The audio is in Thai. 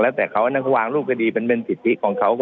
แล้วแต่เขานักวางรูปคดีมันเป็นสิทธิของเขา